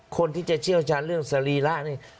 คนที่จะเชี่ยวชาญเรื่องสรีระนี่